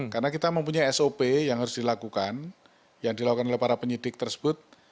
karena kita mempunyai sop yang harus dilakukan yang dilakukan oleh para penyidik tersebut